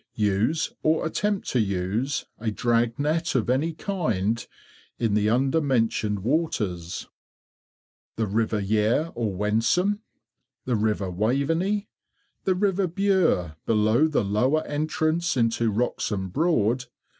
6. Use or attempt to use a drag net of any kind in the under mentioned waters:— 1. The River Yare or Wensum— 2. The River Waveney— 3. The River Bure, below the lower entrance into Wroxham Broad— 4.